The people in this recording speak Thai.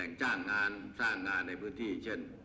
จ้างงานสร้างงานในพื้นที่เช่น